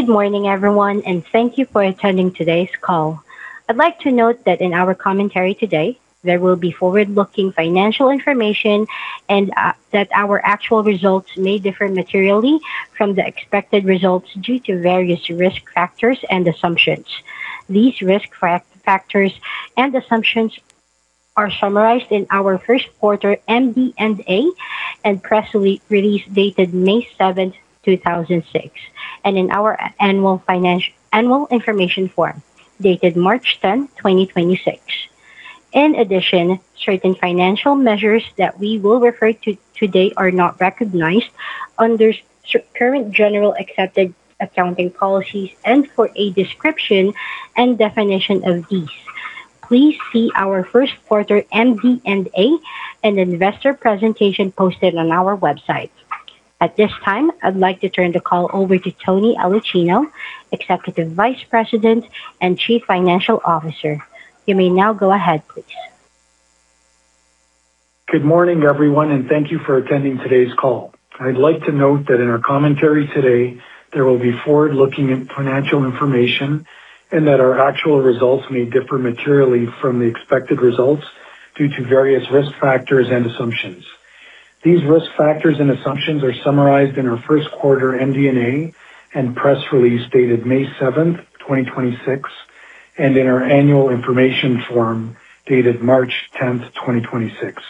Good morning, everyone, and thank you for attending today's call. I'd like to note that in our commentary today, there will be forward-looking financial information and that our actual results may differ materially from the expected results due to various risk factors and assumptions. These risk factors and assumptions are summarized in our first quarter MD&A and press release dated May 7, 2006, and in our annual information form dated March 10, 2026. In addition, certain financial measures that we will refer to today are not recognized under current general accepted accounting policies, and for a description and definition of these, please see our first quarter MD&A and investor presentation posted on our website. At this time, I'd like to turn the call over to Tony Aulicino, Executive Vice President and Chief Financial Officer. You may now go ahead, please. Good morning, everyone, and thank you for attending today's call. I'd like to note that in our commentary today, there will be forward-looking financial information and that our actual results may differ materially from the expected results due to various risk factors and assumptions. These risk factors and assumptions are summarized in our first quarter MD&A and press release dated May 7th, 2026, and in our annual information form dated March 10th, 2026.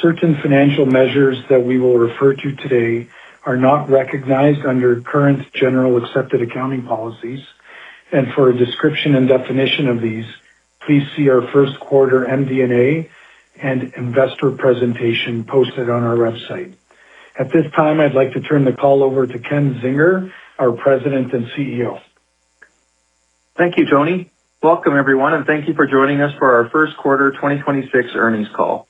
Certain financial measures that we will refer to today are not recognized under current general accepted accounting policies. For a description and definition of these, please see our first quarter MD&A and investor presentation posted on our website. At this time, I'd like to turn the call over to Ken Zinger, our President and CEO. Thank you, Tony. Welcome, everyone, and thank you for joining us for our first quarter 2026 earnings call.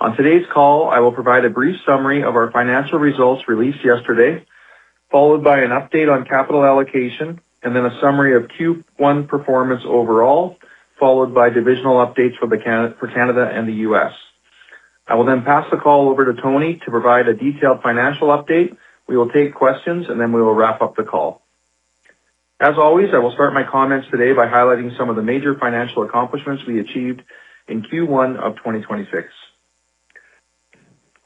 On today's call, I will provide a brief summary of our financial results released yesterday, followed by an update on capital allocation and then a summary of Q1 performance overall, followed by divisional updates for Canada and the U.S. I will then pass the call over to Tony to provide a detailed financial update. We will take questions, and then we will wrap up the call. As always, I will start my comments today by highlighting some of the major financial accomplishments we achieved in Q1 of 2026.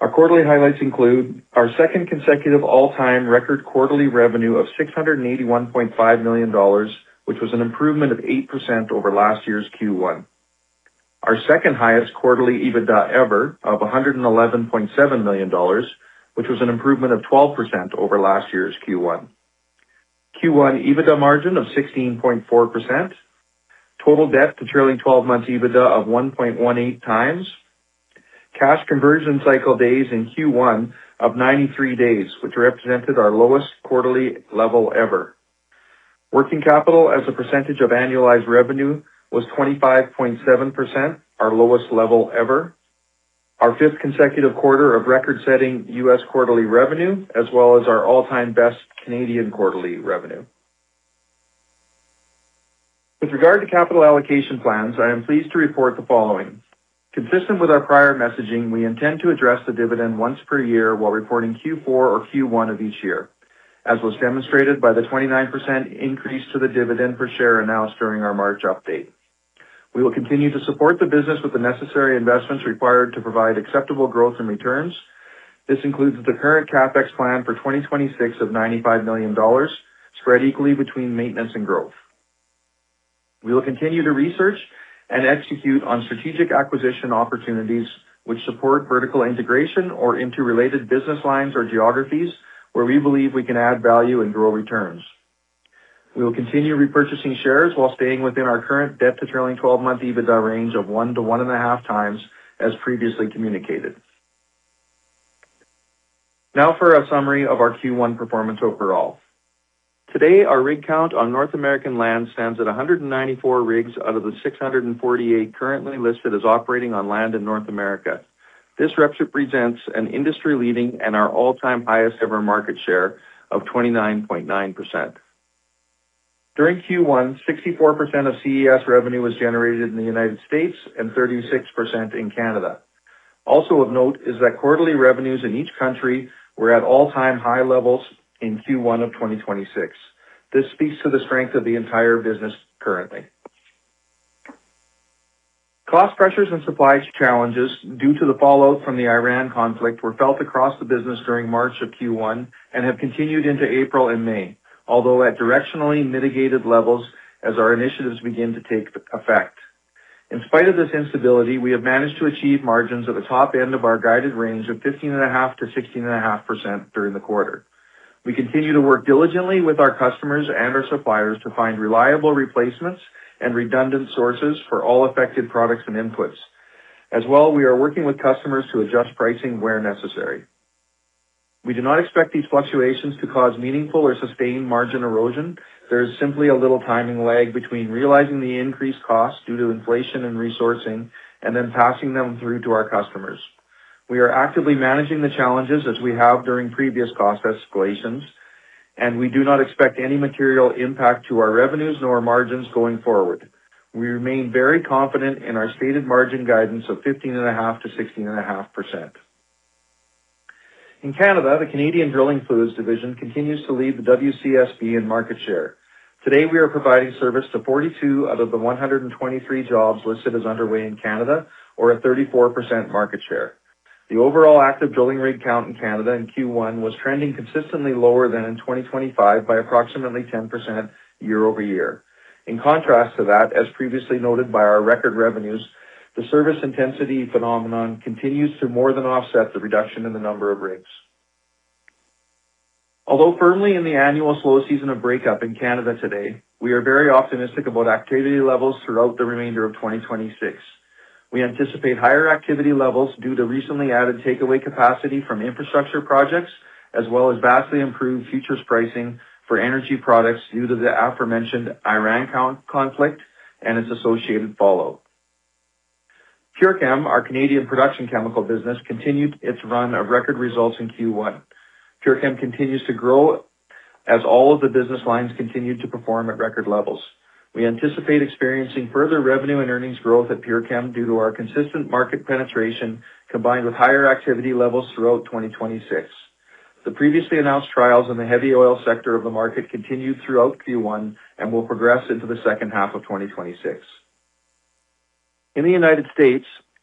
Our quarterly highlights include our second consecutive all-time record quarterly revenue of 681.5 million dollars, which was an improvement of 8% over last year's Q1. Our second-highest quarterly EBITDA ever of 111.7 million dollars, which was an improvement of 12% over last year's Q1. Q1 EBITDA margin of 16.4%. Total debt to trailing 12 months EBITDA of 1.18 times. Cash conversion cycle days in Q1 of 93 days, which represented our lowest quarterly level ever. Working capital as a percentage of annualized revenue was 25.7%, our lowest level ever. Our fifth consecutive quarter of record-setting U.S. quarterly revenue, as well as our all-time best Canadian quarterly revenue. With regard to capital allocation plans, I am pleased to report the following. Consistent with our prior messaging, we intend to address the dividend once per year while reporting Q4 or Q1 of each year, as was demonstrated by the 29% increase to the dividend per share announced during our March update. We will continue to support the business with the necessary investments required to provide acceptable growth and returns. This includes the current CapEx plan for 2026 of 95 million dollars, spread equally between maintenance and growth. We will continue to research and execute on strategic acquisition opportunities which support vertical integration or interrelated business lines or geographies where we believe we can add value and grow returns. We will continue repurchasing shares while staying within our current debt to trailing 12-month EBITDA range of 1x-1.5x, as previously communicated. Now for a summary of our Q1 performance overall. Today, our rig count on North American land stands at 194 rigs out of the 648 currently listed as operating on land in North America. This represents an industry-leading and our all-time highest ever market share of 29.9%. During Q1, 64% of CES revenue was generated in the U.S. and 36% in Canada. Also of note is that quarterly revenues in each country were at all-time high levels in Q1 of 2026. This speaks to the strength of the entire business currently. Cost pressures and supply challenges due to the fallout from the Iran conflict were felt across the business during March of Q1 and have continued into April and May, although at directionally mitigated levels as our initiatives begin to take effect. In spite of this instability, we have managed to achieve margins at the top end of our guided range of 15.5%-16.5% during the quarter. We continue to work diligently with our customers and our suppliers to find reliable replacements and redundant sources for all affected products and inputs. As well, we are working with customers to adjust pricing where necessary. We do not expect these fluctuations to cause meaningful or sustained margin erosion. There is simply a little timing lag between realizing the increased costs due to inflation and resourcing and then passing them through to our customers. We are actively managing the challenges as we have during previous cost escalations, and we do not expect any material impact to our revenues nor margins going forward. We remain very confident in our stated margin guidance of 15.5% to 16.5%. In Canada, the Canadian drilling fluids division continues to lead the WCSB in market share. Today, we are providing service to 42 out of the 123 jobs listed as underway in Canada or a 34% market share. The overall active drilling rig count in Canada in Q1 was trending consistently lower than in 2025 by approximately 10% year-over-year. In contrast to that, as previously noted by our record revenues, the service intensity phenomenon continues to more than offset the reduction in the number of rigs. Although firmly in the annual slow season of breakup in Canada today, we are very optimistic about activity levels throughout the remainder of 2026. We anticipate higher activity levels due to recently added takeaway capacity from infrastructure projects, as well as vastly improved futures pricing for energy products due to the aforementioned Iran conflict and its associated fallout. PureChem, our Canadian production chemical business, continued its run of record results in Q1. PureChem continues to grow as all of the business lines continued to perform at record levels. We anticipate experiencing further revenue and earnings growth at PureChem due to our consistent market penetration combined with higher activity levels throughout 2026. The previously announced trials in the heavy oil sector of the market continued throughout Q1 and will progress into the second half of 2026. In the U.S.,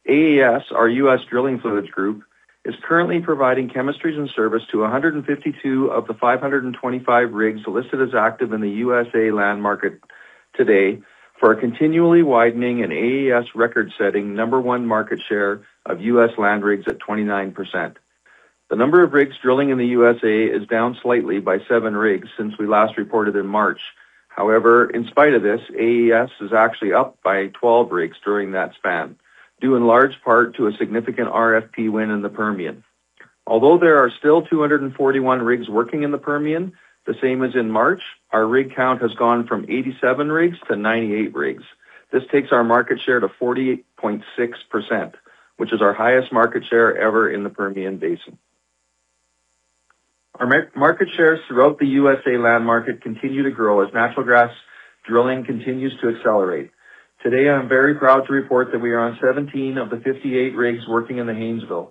AES, our U.S. drilling fluids group, is currently providing chemistries and service to 152 of the 525 rigs listed as active in the U.S. land market today for a continually widening and AES record-setting number one market share of U.S. land rigs at 29%. The number of rigs drilling in the U.S. is down slightly by seven rigs since we last reported in March. However, in spite of this, AES is actually up by 12 rigs during that span, due in large part to a significant RFP win in the Permian. Although there are still 241 rigs working in the Permian, the same as in March, our rig count has gone from 87 rigs to 98 rigs. This takes our market share to 48.6%, which is our highest market share ever in the Permian Basin. Our market shares throughout the USA land market continue to grow as natural gas drilling continues to accelerate. Today, I'm very proud to report that we are on 17 of the 58 rigs working in the Haynesville.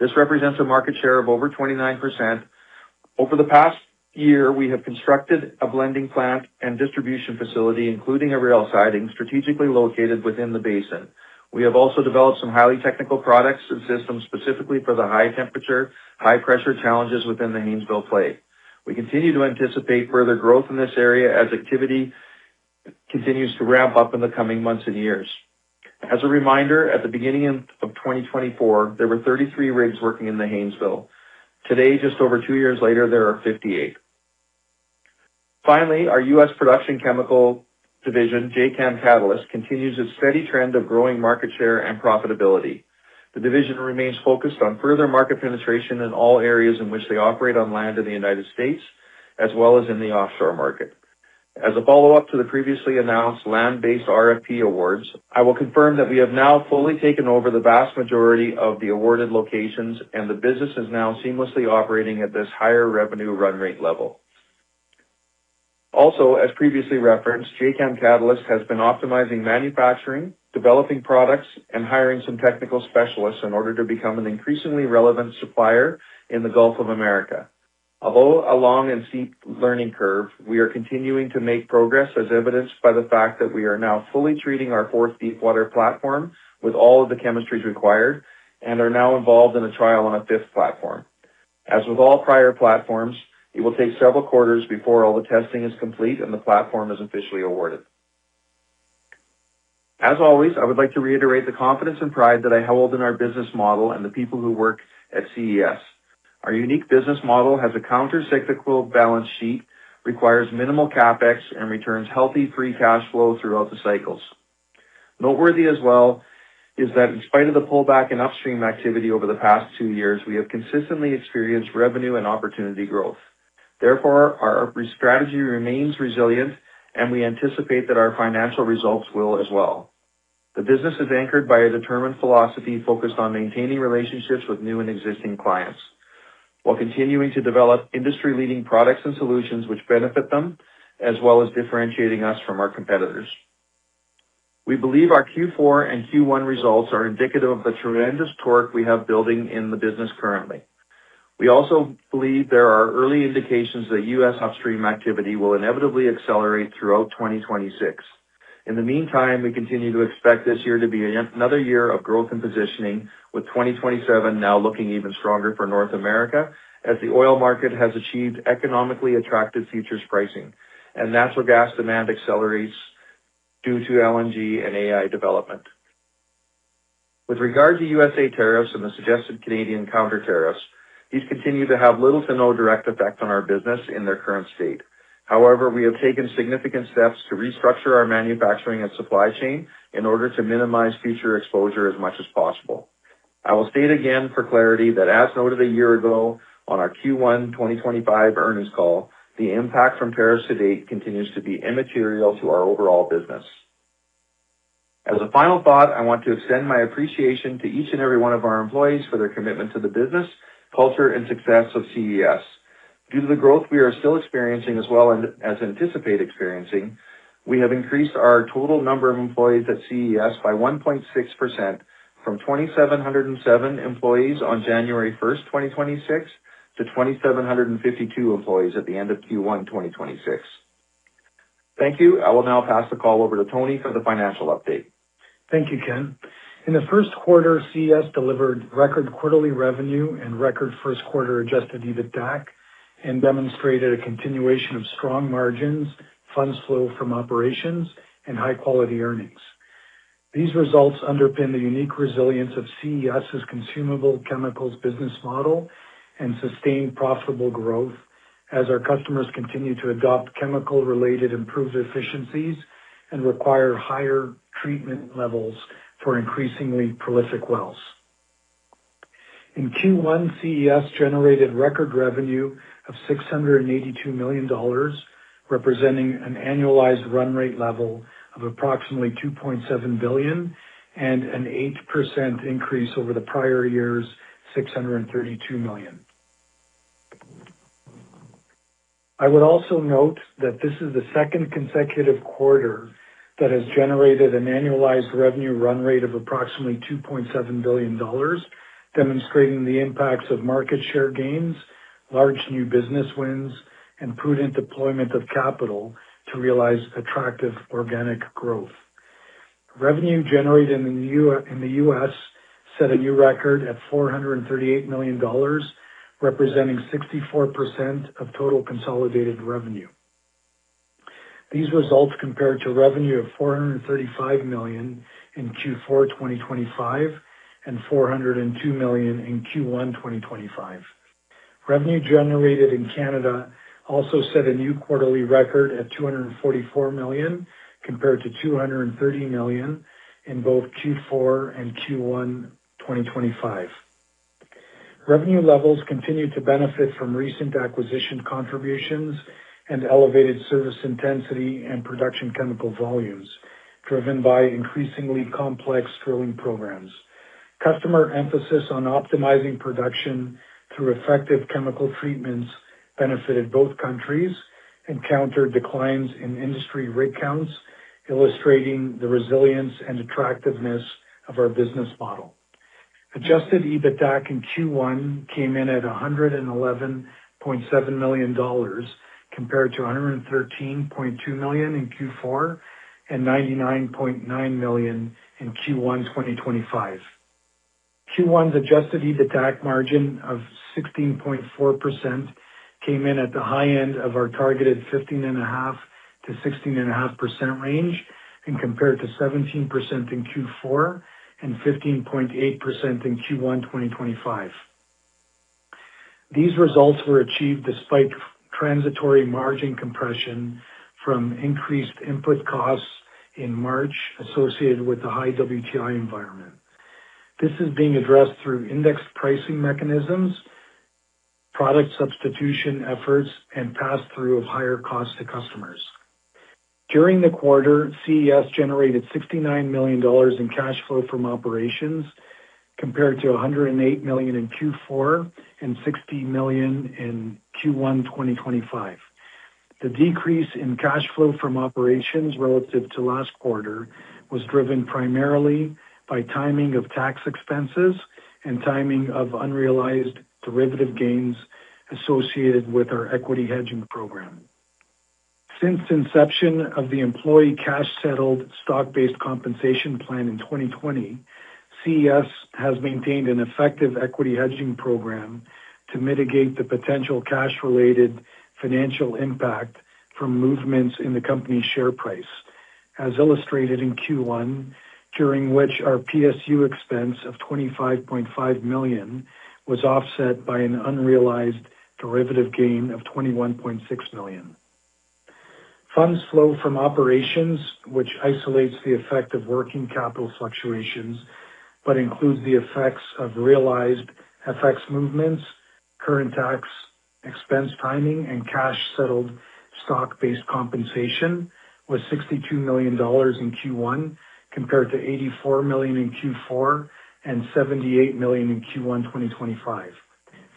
This represents a market share of over 29%. Over the past year, we have constructed a blending plant and distribution facility, including a rail siding strategically located within the basin. We have also developed some highly technical products and systems specifically for the high temperature, high pressure challenges within the Haynesville play. We continue to anticipate further growth in this area as activity continues to ramp up in the coming months and years. As a reminder, at the beginning of 2024, there were 33 rigs working in the Haynesville. Today, just over two years later, there are 58. Finally, our U.S. production chemical division, Jacam Catalyst, continues its steady trend of growing market share and profitability. The division remains focused on further market penetration in all areas in which they operate on land in the United States, as well as in the offshore market. As a follow-up to the previously announced land-based RFP awards, I will confirm that we have now fully taken over the vast majority of the awarded locations, and the business is now seamlessly operating at this higher revenue run rate level. Also, as previously referenced, Jacam Catalyst has been optimizing manufacturing, developing products, and hiring some technical specialists in order to become an increasingly relevant supplier in the Gulf of America. Although a long and steep learning curve, we are continuing to make progress as evidenced by the fact that we are now fully treating our fourth deepwater platform with all of the chemistries required and are now involved in a trial on a fifth platform. As with all prior platforms, it will take several quarters before all the testing is complete and the platform is officially awarded. As always, I would like to reiterate the confidence and pride that I hold in our business model and the people who work at CES. Our unique business model has a countercyclical balance sheet, requires minimal CapEx, and returns healthy free cash flow throughout the cycles. Noteworthy as well is that in spite of the pullback in upstream activity over the past two years, we have consistently experienced revenue and opportunity growth. Therefore, our strategy remains resilient, and we anticipate that our financial results will as well. The business is anchored by a determined philosophy focused on maintaining relationships with new and existing clients while continuing to develop industry-leading products and solutions which benefit them, as well as differentiating us from our competitors. We believe our Q4 and Q1 results are indicative of the tremendous torque we have building in the business currently. We also believe there are early indications that U.S. upstream activity will inevitably accelerate throughout 2026. In the meantime, we continue to expect this year to be a yet another year of growth and positioning, with 2027 now looking even stronger for North America as the oil market has achieved economically attractive futures pricing and natural gas demand accelerates due to LNG and AI development. With regard to USA tariffs and the suggested Canadian counter-tariffs, these continue to have little to no direct effect on our business in their current state. However, we have taken significant steps to restructure our manufacturing and supply chain in order to minimize future exposure as much as possible. I will state again for clarity that as noted a year ago on our Q1 2025 earnings call, the impact from tariffs to date continues to be immaterial to our overall business. As a final thought, I want to extend my appreciation to each and every one of our employees for their commitment to the business, culture, and success of CES. Due to the growth we are still experiencing as well as anticipate experiencing, we have increased our total number of employees at CES by 1.6% from 2,707 employees on January 1, 2026, to 2,752 employees at the end of Q1 2026. Thank you. I will now pass the call over to Tony for the financial update. Thank you, Ken. In the first quarter, CES delivered record quarterly revenue and record first quarter adjusted EBITDAC and demonstrated a continuation of strong margins, funds flow from operations, and high-quality earnings. These results underpin the unique resilience of CES' consumable chemicals business model and sustained profitable growth as our customers continue to adopt chemical-related improved efficiencies and require higher treatment levels for increasingly prolific wells. In Q1, CES generated record revenue of 682 million dollars, representing an annualized run rate level of approximately 2.7 billion and an 8% increase over the prior year's 632 million. I would also note that this is the second consecutive quarter that has generated an annualized revenue run rate of approximately 2.7 billion dollars, demonstrating the impacts of market share gains, large new business wins, and prudent deployment of capital to realize attractive organic growth. Revenue generated in the U.S. set a new record at 438 million dollars, representing 64% of total consolidated revenue. These results compared to revenue of 435 million in Q4 2025, and 402 million in Q1 2025. Revenue generated in Canada also set a new quarterly record at 244 million compared to 230 million in both Q4 and Q1 2025. Revenue levels continue to benefit from recent acquisition contributions and elevated service intensity and production chemical volumes, driven by increasingly complex drilling programs. Customer emphasis on optimizing production through effective chemical treatments benefited both countries and countered declines in industry rig counts, illustrating the resilience and attractiveness of our business model. Adjusted EBITDAC in Q1 came in at 111.7 million dollars compared to 113.2 million in Q4 and 99.9 million in Q1, 2025. Q1's Adjusted EBITDAC margin of 16.4% came in at the high end of our targeted 15.5%-16.5% range and compared to 17% in Q4 and 15.8% in Q1, 2025. These results were achieved despite transitory margin compression from increased input costs in March associated with the high WTI environment. This is being addressed through indexed pricing mechanisms, product substitution efforts, and pass-through of higher costs to customers. During the quarter, CES generated 69 million dollars in cash flow from operations compared to 108 million in Q4 and 60 million in Q1 2025. The decrease in cash flow from operations relative to last quarter was driven primarily by timing of tax expenses and timing of unrealized derivative gains associated with our equity hedging program. Since inception of the employee cash-settled stock-based compensation plan in 2020, CES has maintained an effective equity hedging program to mitigate the potential cash-related financial impact from movements in the company's share price, as illustrated in Q1, during which our PSU expense of 25.5 million was offset by an unrealized derivative gain of 21.6 million. Funds flow from operations, which isolates the effect of working capital fluctuations but includes the effects of realized FX movements, current tax expense timing, and cash-settled stock-based compensation, was 62 million dollars in Q1 compared to 84 million in Q4 and 78 million in Q1, 2025.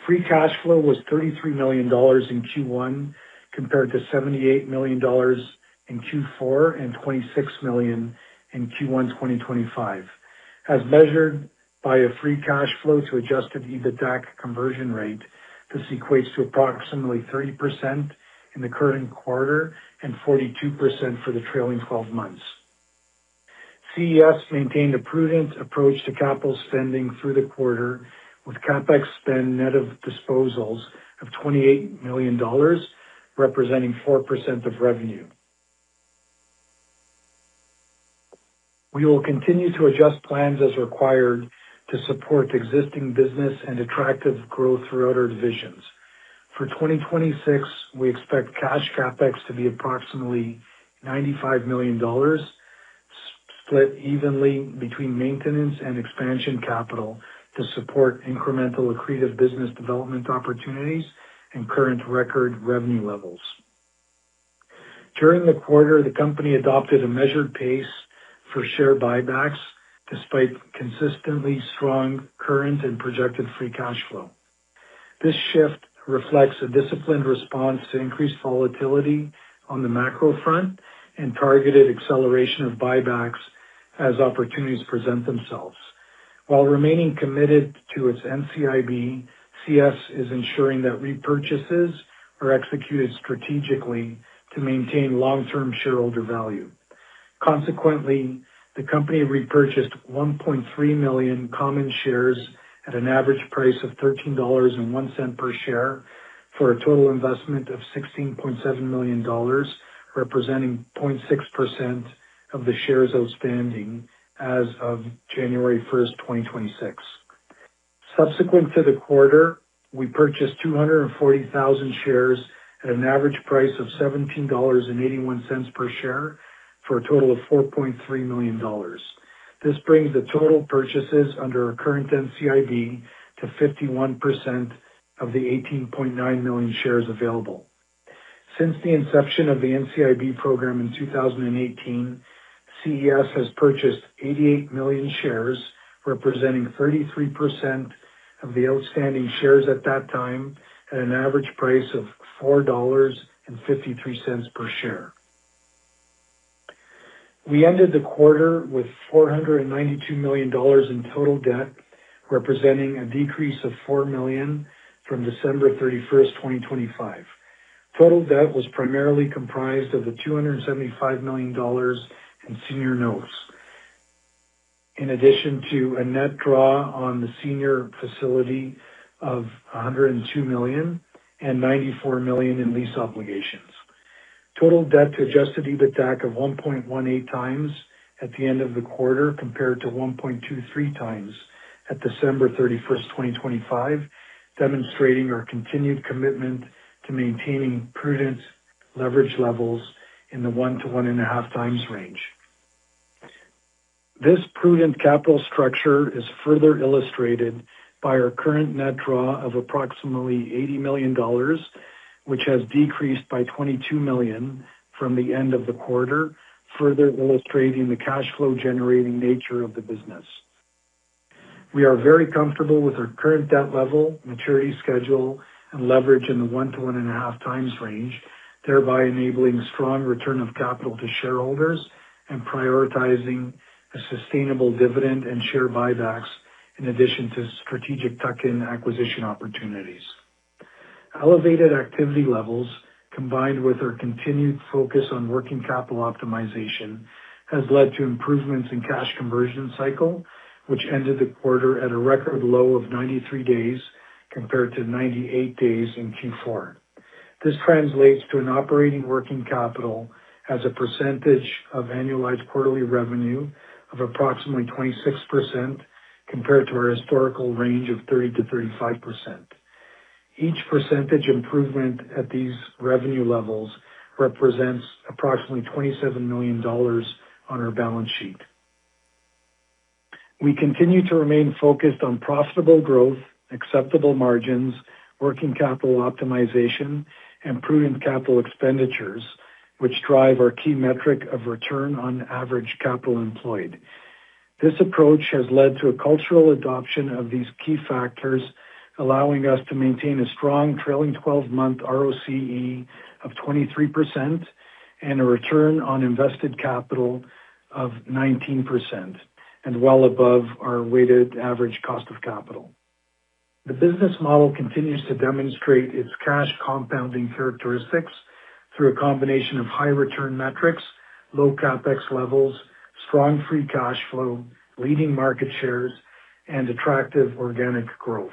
Free cash flow was 33 million dollars in Q1 compared to 78 million dollars in Q4 and 26 million in Q1, 2025. As measured by a free cash flow to adjusted EBITDAC conversion rate, this equates to approximately 30% in the current quarter and 42% for the trailing 12 months. CES maintained a prudent approach to capital spending through the quarter, with CapEx spend net of disposals of 28 million dollars, representing 4% of revenue. We will continue to adjust plans as required to support existing business and attractive growth throughout our divisions. For 2026, we expect cash CapEx to be approximately 95 million dollars, split evenly between maintenance and expansion capital to support incremental accretive business development opportunities and current record revenue levels. During the quarter, the company adopted a measured pace for share buybacks despite consistently strong current and projected free cash flow. This shift reflects a disciplined response to increased volatility on the macro front and targeted acceleration of buybacks as opportunities present themselves. While remaining committed to its NCIB, CES is ensuring that repurchases are executed strategically to maintain long-term shareholder value. Consequently, the company repurchased 1.3 million common shares at an average price of 13.01 dollars per share for a total investment of 16.7 million dollars, representing 0.6% of the shares outstanding as of January 1st, 2026. Subsequent to the quarter, we purchased 240,000 shares at an average price of 17.81 dollars per share for a total of 4.3 million dollars. This brings the total purchases under our current NCIB to 51% of the 18.9 million shares available. Since the inception of the NCIB program in 2018, CES has purchased 88 million shares, representing 33% of the outstanding shares at that time, at an average price of 4.53 dollars per share. We ended the quarter with 492 million dollars in total debt, representing a decrease of 4 million from December 31st, 2025. Total debt was primarily comprised of the 275 million dollars in senior notes. In addition to a net draw on the senior facility of 102 million and 94 million in lease obligations. Total debt to adjusted EBITDA of 1.18x at the end of the quarter, compared to 1.23x at December 31st, 2025, demonstrating our continued commitment to maintaining prudent leverage levels in the 1x-1.5x range. This prudent capital structure is further illustrated by our current net draw of approximately 80 million dollars, which has decreased by 22 million from the end of the quarter, further illustrating the cash flow generating nature of the business. We are very comfortable with our current debt level, maturity schedule, and leverage in the 1x-1.5x range, thereby enabling strong return of capital to shareholders and prioritizing a sustainable dividend and share buybacks in addition to strategic tuck-in acquisition opportunities. Elevated activity levels, combined with our continued focus on working capital optimization, has led to improvements in cash conversion cycle, which ended the quarter at a record low of 93 days compared to 98 days in Q4. This translates to an operating working capital as a percentage of annualized quarterly revenue of approximately 26%, compared to our historical range of 30%-35%. Each percentage improvement at these revenue levels represents approximately 27 million dollars on our balance sheet. We continue to remain focused on profitable growth, acceptable margins, working capital optimization, and prudent capital expenditures, which drive our key metric of return on average capital employed. This approach has led to a cultural adoption of these key factors, allowing us to maintain a strong trailing 12-month ROCE of 23% and a return on invested capital of 19%, and well above our weighted average cost of capital. The business model continues to demonstrate its cash compounding characteristics through a combination of high return metrics, low CapEx levels, strong free cash flow, leading market shares, and attractive organic growth.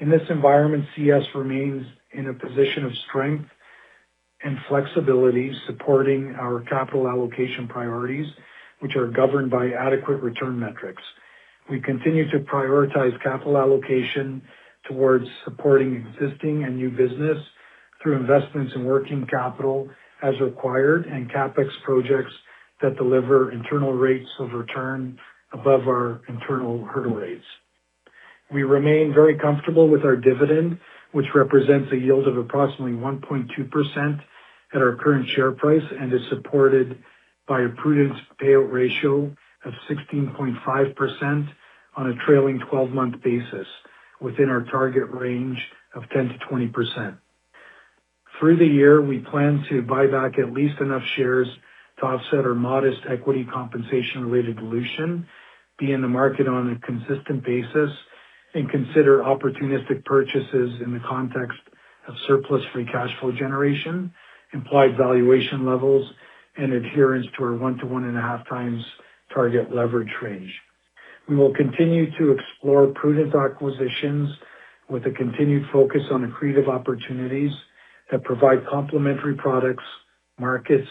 In this environment, CES remains in a position of strength and flexibility, supporting our capital allocation priorities, which are governed by adequate return metrics. We continue to prioritize capital allocation towards supporting existing and new business through investments in working capital as required, and CapEx projects that deliver internal rates of return above our internal hurdle rates. We remain very comfortable with our dividend, which represents a yield of approximately 1.2% at our current share price and is supported by a prudent payout ratio of 16.5% on a trailing 12-month basis within our target range of 10%-20%. Through the year, we plan to buy back at least enough shares to offset our modest equity compensation-related dilution, be in the market on a consistent basis, and consider opportunistic purchases in the context of surplus free cash flow generation, implied valuation levels, and adherence to our 1x-1.5x target leverage range. We will continue to explore prudent acquisitions with a continued focus on accretive opportunities that provide complementary products, markets,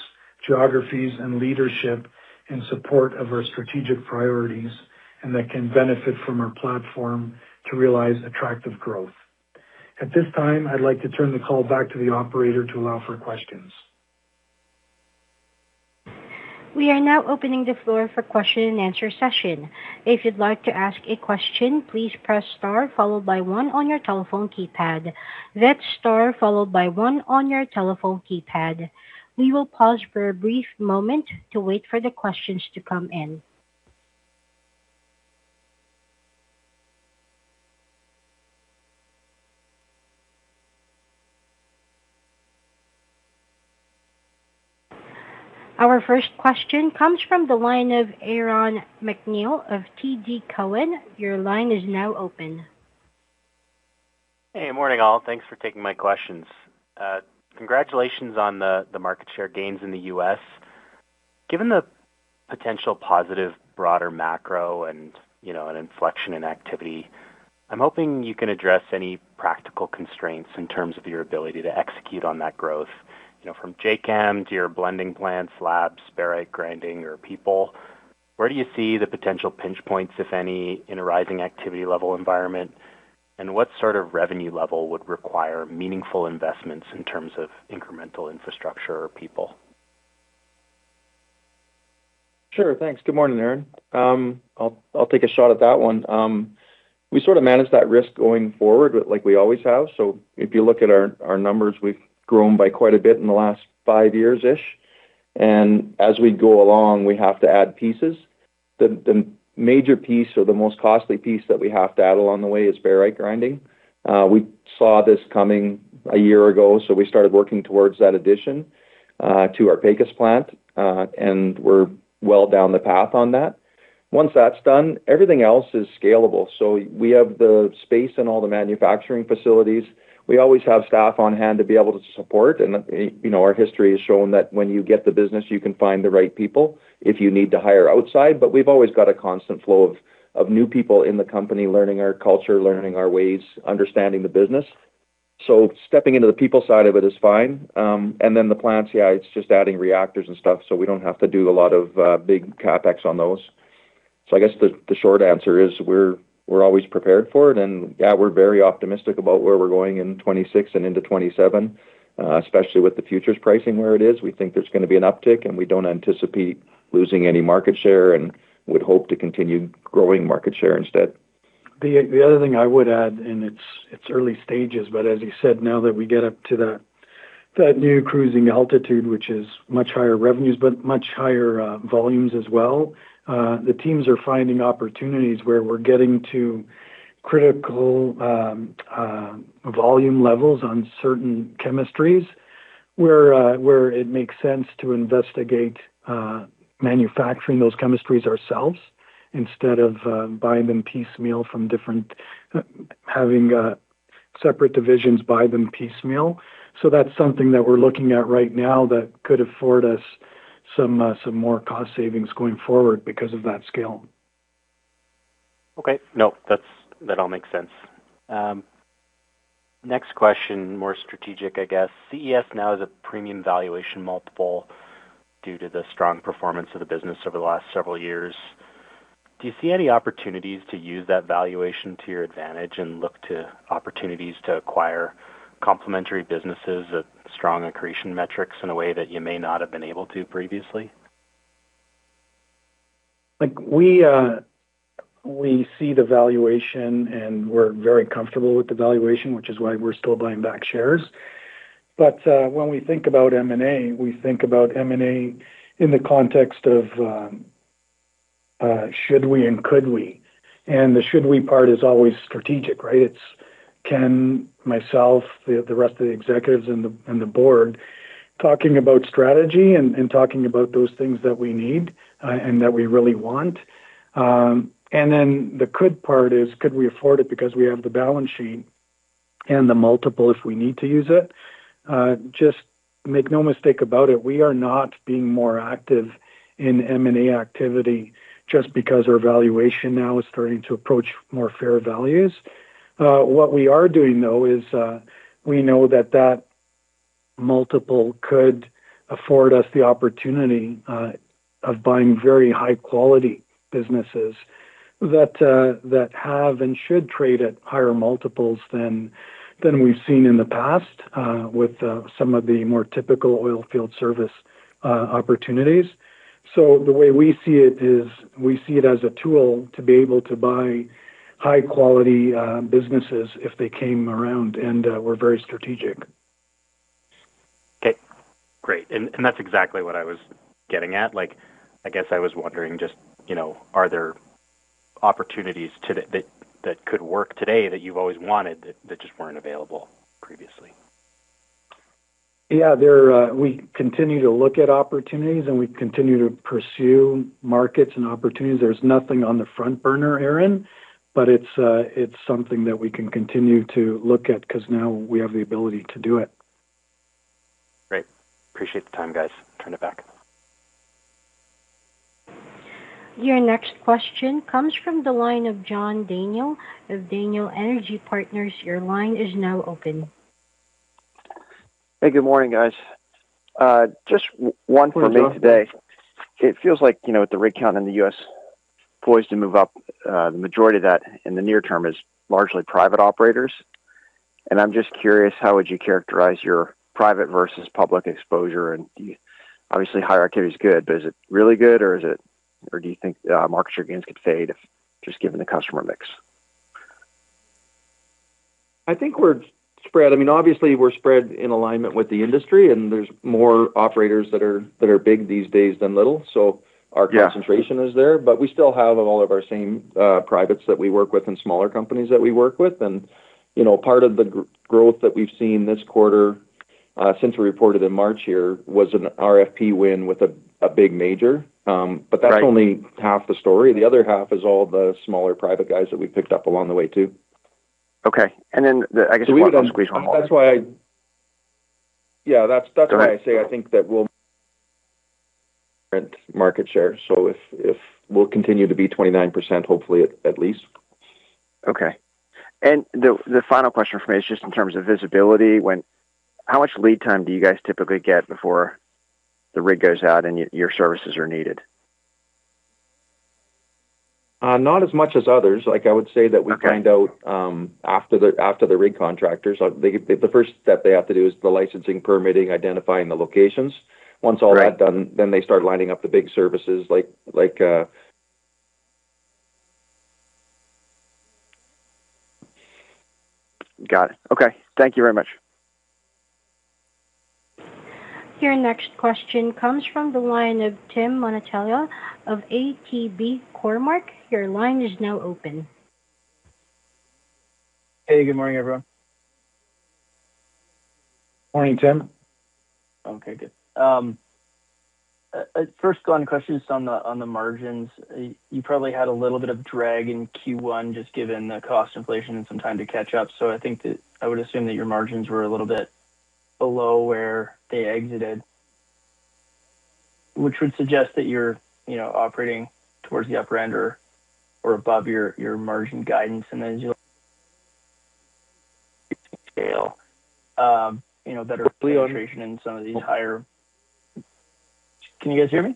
geographies, and leadership in support of our strategic priorities and that can benefit from our platform to realize attractive growth. At this time, I'd like to turn the call back to the operator to allow for questions. We are now opening the floor for question and answer session. If you'd like to ask a question, please press star followed by one on your telephone keypad. That's star followed by one on your telephone keypad. We will pause for a brief moment to wait for the questions to come in. Our first question comes from the line of Aaron MacNeil of TD Cowen. Your line is now open. Hey. Morning, all. Thanks for taking my questions. congratulations on the market share gains in the U.S. Given the potential positive broader macro and, you know, an inflection in activity, I'm hoping you can address any practical constraints in terms of your ability to execute on that growth. You know, from Jacam to your blending plants, labs, barite grinding, your people, where do you see the potential pinch points, if any, in a rising activity level environment? What sort of revenue level would require meaningful investments in terms of incremental infrastructure or people? Sure. Thanks. Good morning, Aaron. I'll take a shot at that one. We sort of manage that risk going forward like we always have. If you look at our numbers, we've grown by quite a bit in the last five years-ish. As we go along, we have to add pieces. The major piece or the most costly piece that we have to add along the way is barite grinding. We saw this coming a year ago, we started working towards that addition to our Pecos plant, we're well down the path on that. Once that's done, everything else is scalable. We have the space in all the manufacturing facilities. We always have staff on hand to be able to support and, you know, our history has shown that when you get the business, you can find the right people if you need to hire outside. We've always got a constant flow of new people in the company learning our culture, learning our ways, understanding the business. Stepping into the people side of it is fine. Then the plants, yeah, it's just adding reactors and stuff, so we don't have to do a lot of big CapEx on those. I guess the short answer is we're always prepared for it. Yeah, we're very optimistic about where we're going in 2026 and into 2027, especially with the futures pricing where it is. We think there's gonna be an uptick, and we don't anticipate losing any market share and would hope to continue growing market share instead. The other thing I would add, and it's early stages, but as you said, now that we get up to that new cruising altitude, which is much higher revenues but much higher volumes as well, the teams are finding opportunities where we're getting to critical volume levels on certain chemistries where it makes sense to investigate manufacturing those chemistries ourselves instead of buying them piecemeal from different having separate divisions buy them piecemeal. That's something that we're looking at right now that could afford us some more cost savings going forward because of that scale. Okay. No, that all makes sense. Next question, more strategic I guess. CES now is a premium valuation multiple due to the strong performance of the business over the last several years. Do you see any opportunities to use that valuation to your advantage and look to opportunities to acquire complementary businesses with strong accretion metrics in a way that you may not have been able to previously? Like, we see the valuation, and we're very comfortable with the valuation, which is why we're still buying back shares. When we think about M&A, we think about M&A in the context of, should we and could we? The should we part is always strategic, right? It's can myself, the rest of the executives and the board talking about strategy and talking about those things that we need and that we really want. The could part is could we afford it because we have the balance sheet and the multiple if we need to use it. Just make no mistake about it, we are not being more active in M&A activity just because our valuation now is starting to approach more fair values. What we are doing though is, we know that that multiple could afford us the opportunity, of buying very high quality businesses that have and should trade at higher multiples than we've seen in the past, with some of the more typical oil field service opportunities. The way we see it is we see it as a tool to be able to buy high quality businesses if they came around and we're very strategic. Okay. Great. That's exactly what I was getting at. Like, I guess I was wondering just, you know, are there opportunities today that could work today that you've always wanted that just weren't available previously? Yeah. There, we continue to look at opportunities, and we continue to pursue markets and opportunities. There's nothing on the front burner, Aaron, but it's something that we can continue to look at 'cause now we have the ability to do it. Great. Appreciate the time, guys. Turn it back. Your next question comes from the line of John Daniel of Daniel Energy Partners. Your line is now open. Hey, good morning, guys. just one for me today. It feels like, you know, with the rig count in the U.S. poised to move up, the majority of that in the near term is largely private operators. I'm just curious, how would you characterize your private versus public exposure? Obviously higher activity is good, but is it really good or do you think market share gains could fade if just given the customer mix? I think we're spread. I mean, obviously we're spread in alignment with the industry, and there's more operators that are big these days than little. Yeah. Concentration is there. We still have all of our same privates that we work with and smaller companies that we work with. You know, part of the growth that we've seen this quarter, since we reported in March here was an RFP win with a big major. Right. Only half the story. The other half is all the smaller private guys that we've picked up along the way, too. Okay. I guess We've done. One last question on. That's why I say I think that we'll market share. If we'll continue to be 29% hopefully at least. Okay. The final question for me is just in terms of visibility. How much lead time do you guys typically get before the rig goes out and your services are needed? Not as much as others. Like, I would say that we find out. Okay. After the rig contractors. The first step they have to do is the licensing, permitting, identifying the locations. Once all that done. Right. They start lining up the big services like. Got it. Okay. Thank you very much. Your next question comes from the line of Tim Monachello of ATB Cormark. Your line is now open. Hey, good morning, everyone. Morning, Tim. Okay, good. First one question is on the margins. You probably had a little bit of drag in Q1 just given the cost inflation and some time to catch up. I think that I would assume that your margins were a little bit below where they exited, which would suggest that you're operating towards the upper end or above your margin guidance. As you scale, better penetration in some of these higher. Can you guys hear me?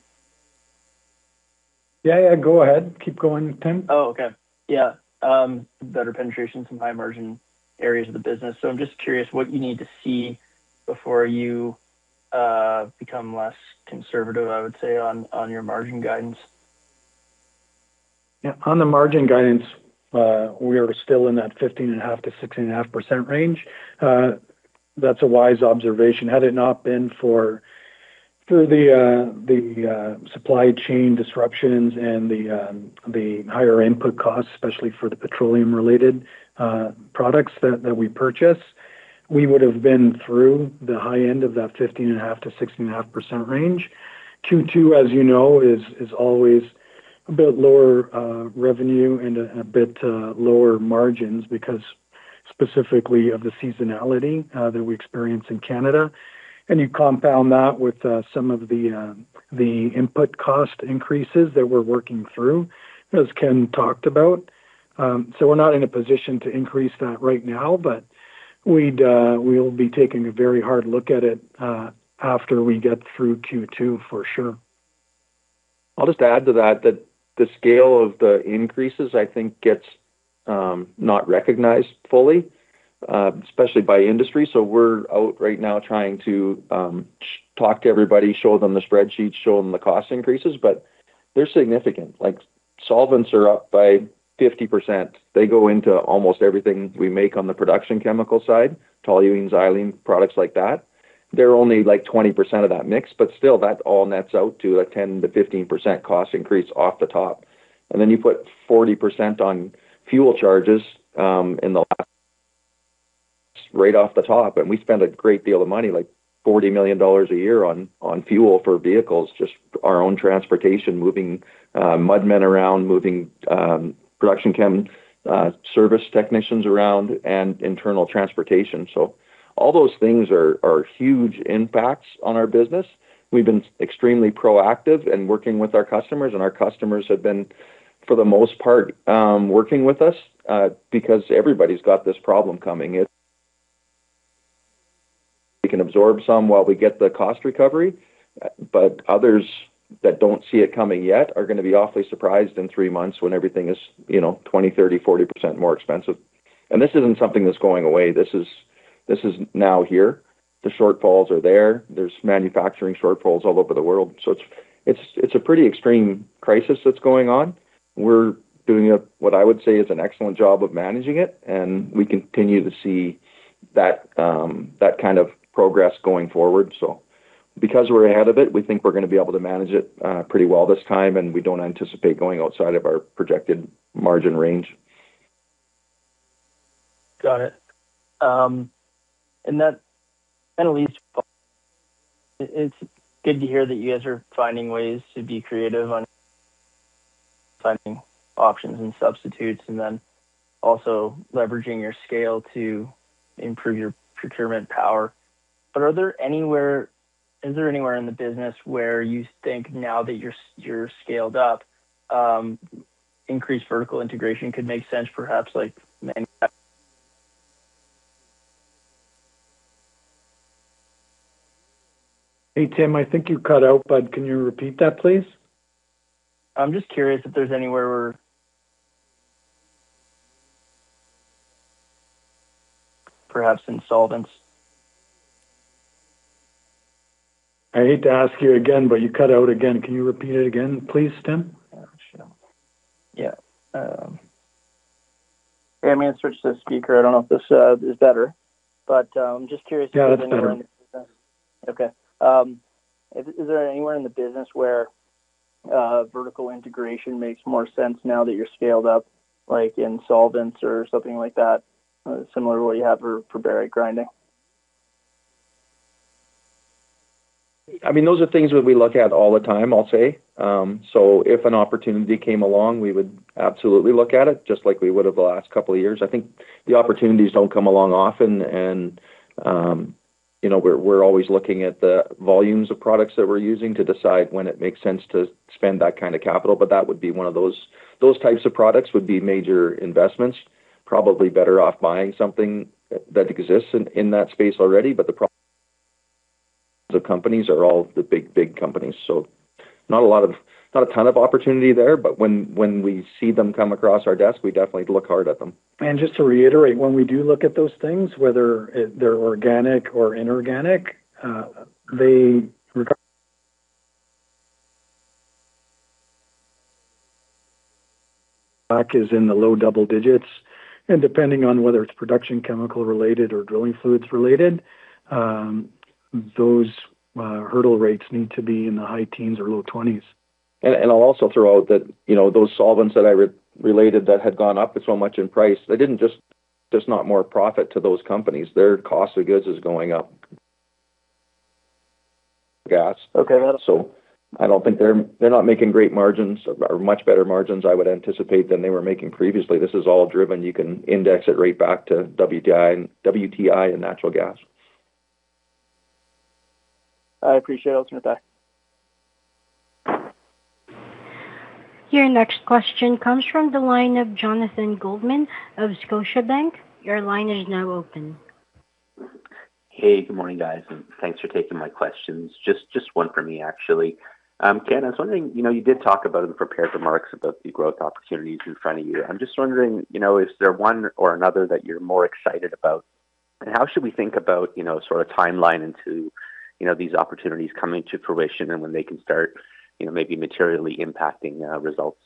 Yeah, yeah, go ahead. Keep going, Tim. Oh, okay. Yeah. Better penetration, some high margin areas of the business. I'm just curious what you need to see before you become less conservative, I would say, on your margin guidance. Yeah. On the margin guidance, we are still in that 15.5%-16.5% range. That's a wise observation. Had it not been for the supply chain disruptions and the higher input costs, especially for the petroleum related products that we purchase, we would've been through the high end of that 15.5%-16.5% range. Q2, as you know, is always a bit lower revenue and a bit lower margins because specifically of the seasonality that we experience in Canada. You compound that with some of the input cost increases that we're working through, as Ken talked about. We're not in a position to increase that right now, but we'll be taking a very hard look at it after we get through Q2 for sure. I'll just add to that the scale of the increases I think gets not recognized fully, especially by industry. We're out right now trying to talk to everybody, show them the spreadsheets, show them the cost increases, but they're significant. Like, solvents are up by 50%. They go into almost everything we make on the production chemical side, toluene, xylene, products like that. They're only like 20% of that mix, but still that all nets out to a 10%-15% cost increase off the top. Then you put 40% on fuel charges in the last right off the top, and we spend a great deal of money, like 40 million dollars a year on fuel for vehicles, just our own transportation, moving mud men around, moving production chem service technicians around and internal transportation. All those things are huge impacts on our business. We've been extremely proactive in working with our customers, and our customers have been, for the most part, working with us because everybody's got this problem coming. We can absorb some while we get the cost recovery, but others that don't see it coming yet are gonna be awfully surprised in three months when everything is, you know, 20%, 30%, 40% more expensive. This isn't something that's going away. This is now here. The shortfalls are there. There's manufacturing shortfalls all over the world. It's a pretty extreme crisis that's going on. We're doing a, what I would say is an excellent job of managing it, and we continue to see that kind of progress going forward. Because we're ahead of it, we think we're gonna be able to manage it pretty well this time, and we don't anticipate going outside of our projected margin range. Got it. That kind of leads. It's good to hear that you guys are finding ways to be creative options and substitutes and then also leveraging your scale to improve your procurement power. Is there anywhere in the business where you think now that you're scaled up, increased vertical integration could make sense perhaps like? Hey, Tim, I think you cut out, bud. Can you repeat that, please? I'm just curious if there's anywhere where Perhaps in solvents. I hate to ask you again, but you cut out again. Can you repeat it again, please, Tim? Yeah, I'm gonna switch to speaker. I don't know if this is better. Just curious if Okay. Is there anywhere in the business where vertical integration makes more sense now that you're scaled up, like in solvents or something like that, similar to what you have for barite grinding? I mean, those are things that we look at all the time, I'll say. If an opportunity came along, we would absolutely look at it just like we would have the last couple years. I think the opportunities don't come along often and, you know, we're always looking at the volumes of products that we're using to decide when it makes sense to spend that kind of capital. That would be one of those types of products would be major investments, probably better off buying something that exists in that space already. The companies are all the big companies. Not a ton of opportunity there. When we see them come across our desk, we definitely look hard at them. Just to reiterate, when we do look at those things, whether they're organic or inorganic, their is in the low double digits. Depending on whether it's production chemical related or drilling fluids related, those hurdle rates need to be in the high teens or low 20s. I'll also throw out that, you know, those solvents that I related that had gone up so much in price, there's not more profit to those companies. Their cost of goods is going up. Gas. Okay. I don't think they're not making great margins or much better margins I would anticipate than they were making previously. This is all driven, you can index it right back to WTI and natural gas. I appreciate it. I'll turn it back. Your next question comes from the line of Jonathan Goldman of Scotiabank. Your line is now open. Hey, good morning, guys, thanks for taking my questions. Just one for me actually. Ken, I was wondering, you know, you did talk about in the prepared remarks about the growth opportunities in front of you. I'm just wondering, you know, is there one or another that you're more excited about? How should we think about, you know, sort of timeline into, you know, these opportunities coming to fruition and when they can start, you know, maybe materially impacting results?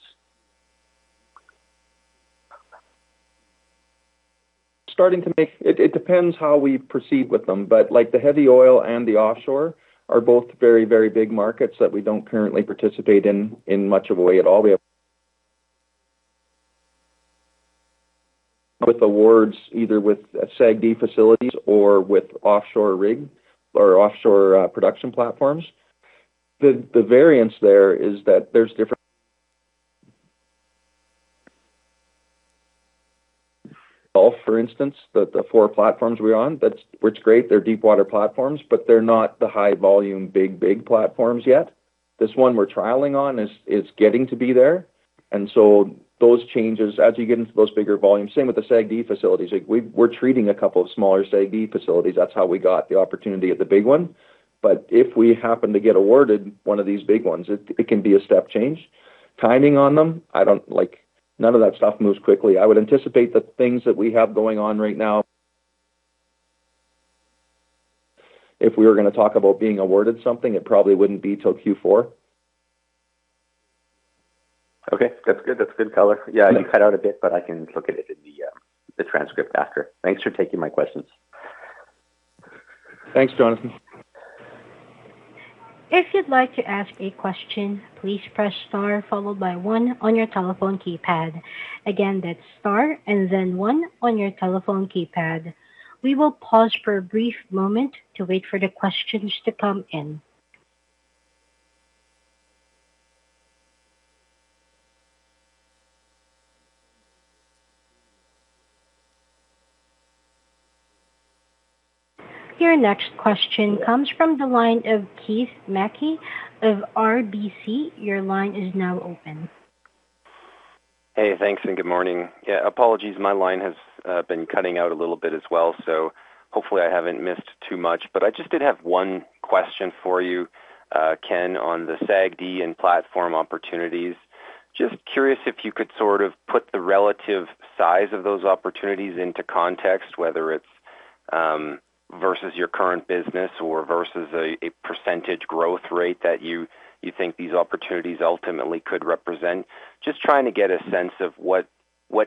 It depends how we proceed with them. Like the heavy oil and the offshore are both very, very big markets that we don't currently participate in much of a way at all. We have with awards either with SAGD facilities or with offshore rig or offshore production platforms. The variance there is that there's, for instance, the four platforms we're on, that works great. They're deep water platforms, but they're not the high volume, big, big platforms yet. This one we're trialing on is getting to be there. Those changes, as you get into those bigger volumes, same with the SAGD facilities. Like we're treating a couple of smaller SAGD facilities. That's how we got the opportunity at the big one. If we happen to get awarded one of these big ones, it can be a step change. Timing on them, I don't like, none of that stuff moves quickly. I would anticipate the things that we have going on right now, if we were gonna talk about being awarded something, it probably wouldn't be till Q4. Okay, that's good. That's good color. Yeah. Yeah, you cut out a bit. I can look at it in the transcript after. Thanks for taking my questions. Thanks, Jonathan. If you'd like to ask a question, please press star followed by one on your telephone keypad. Again, that's star and then one on your telephone keypad. We will pause for a brief moment to wait for the questions to come in. Your next question comes from the line of Keith Mackey of RBC. Your line is now open. Hey, thanks, and good morning. Apologies, my line has been cutting out a little bit as well, so hopefully I haven't missed too much. I just did have one question for you, Ken, on the SAGD and platform opportunities. Just curious if you could sort of put the relative size of those opportunities into context, whether it's versus your current business or versus a percentage growth rate that you think these opportunities ultimately could represent. Just trying to get a sense of what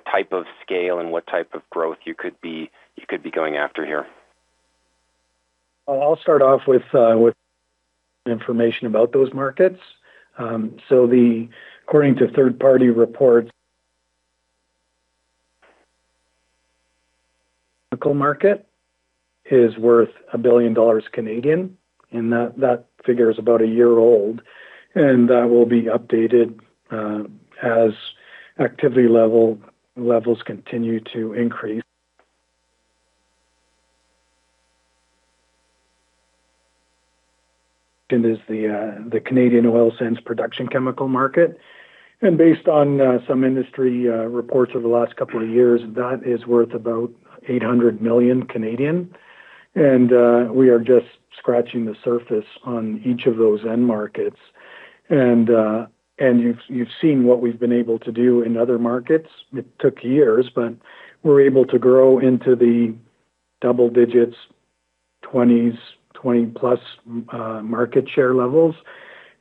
type of scale and what type of growth you could be going after here. I'll start off with information about those markets. According to third party reports, chemical market is worth 1 billion dollars, and that figure is about a year old. Will be updated as activity levels continue to increase. There's the Canadian oil sands production chemical market and based on some industry reports over the last couple of years, that is worth about 800 million. We are just scratching the surface on each of those end markets. You've seen what we've been able to do in other markets. It took years, but we're able to grow into the double digits, 20s, 20+ market share levels.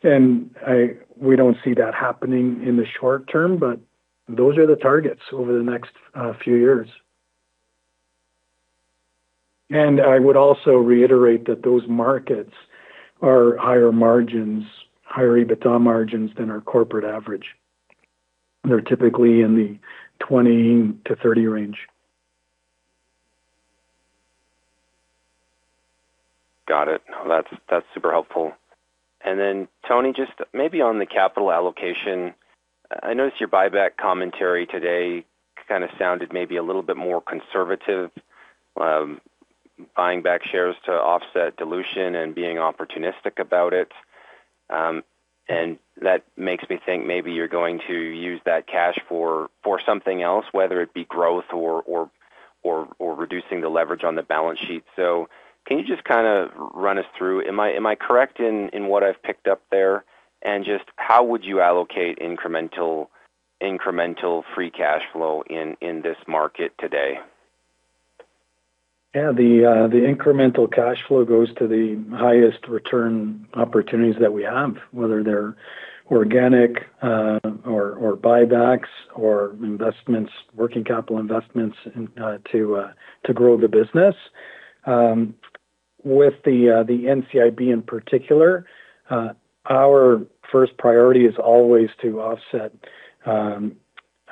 We don't see that happening in the short term, but those are the targets over the next few years. I would also reiterate that those markets are higher margins, higher EBITDA margins than our corporate average. They're typically in the 20%-30% range. Got it. No, that's super helpful. Tony, just maybe on the capital allocation, I noticed your buyback commentary today kind of sounded maybe a little bit more conservative, buying back shares to offset dilution and being opportunistic about it. That makes me think maybe you're going to use that cash for something else, whether it be growth or reducing the leverage on the balance sheet. Can you just kind of run us through? Am I correct in what I've picked up there? Just how would you allocate incremental free cash flow in this market today? Yeah. The incremental cash flow goes to the highest return opportunities that we have, whether they're organic, or buybacks or investments, working capital investments to grow the business. With the NCIB in particular, our first priority is always to offset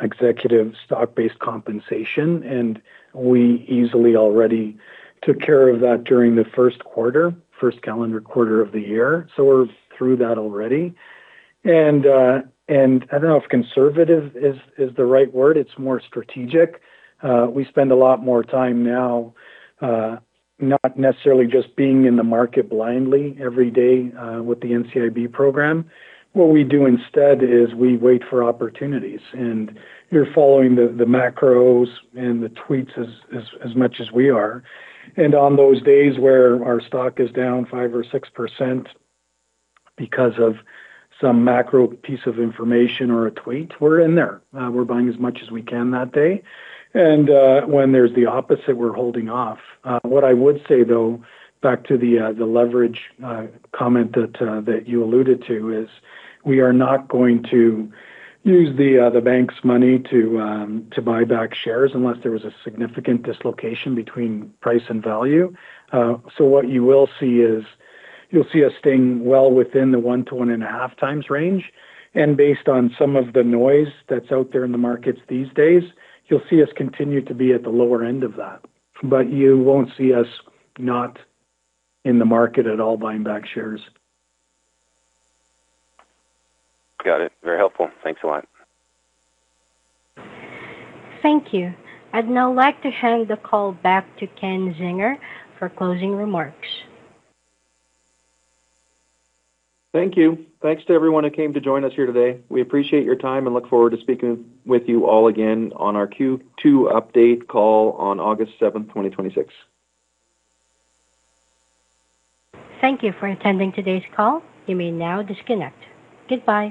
executive stock-based compensation, and we easily already took care of that during the first calendar quarter of the year. We're through that already. I don't know if conservative is the right word. It's more strategic. We spend a lot more time now, not necessarily just being in the market blindly every day, with the NCIB program. What we do instead is we wait for opportunities, and you're following the macros and the tweets as much as we are. On those days where our stock is down 5% or 6% because of some macro piece of information or a tweet, we're in there. We're buying as much as we can that day. When there's the opposite, we're holding off. What I would say though, back to the leverage comment that you alluded to, is we are not going to use the bank's money to buy back shares unless there was a significant dislocation between price and value. What you will see is you'll see us staying well within the 1x-1.5x range. Based on some of the noise that's out there in the markets these days, you'll see us continue to be at the lower end of that. You won't see us not in the market at all buying back shares. Got it. Very helpful. Thanks a lot. Thank you. I'd now like to hand the call back to Ken Zinger for closing remarks. Thank you. Thanks to everyone who came to join us here today. We appreciate your time and look forward to speaking with you all again on our Q2 update call on August 7th, 2026. Thank you for attending today's call. You may now disconnect. Goodbye.